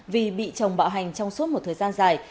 vì bị chồng bạo hành trong suốt một thời gian dài